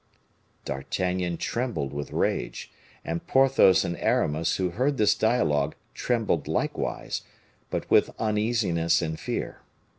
D'Artagnan trembled with rage, and Porthos and Aramis, who heard this dialogue, trembled likewise, but with uneasiness and fear.